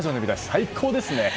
最高ですね！